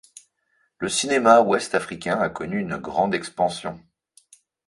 Le cinéma ouest africain a connu une grande expansion.